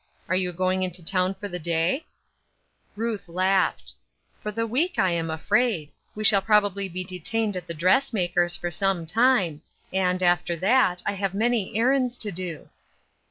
Are you going into town for the day ?" Ruth laughed. " For the week, I am afraid. We shall pi ob* ably be detained at the dressmaker's for some time, and, after that, I have many errands to do."